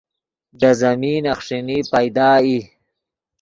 دے زمین اخݰینی پیدا ای